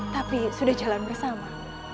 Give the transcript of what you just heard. tapi sudah jalan bersama